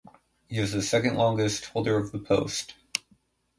He is the second longest holder of the post.